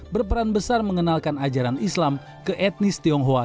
berperan besar mengenalkan ajaran islam ke etnis tionghoa